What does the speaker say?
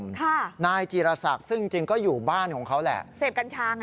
ค่ะนายจีรศักดิ์ซึ่งจริงจริงก็อยู่บ้านของเขาแหละเสพกัญชาไง